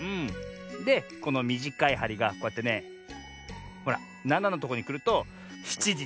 でこのみじかいはりがこうやってねほら７のとこにくると７じちょうどってわけよ。